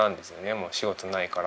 もう仕事ないから。